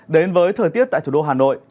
đến với thời tiết tại thủ đô hà nội